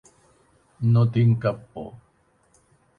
No tinc cap por.